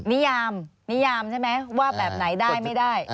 นิยามนิยามใช่ไหมว่าแบบไหนได้ไม่ได้